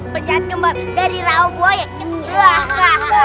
penjahat kembar dari rao boyek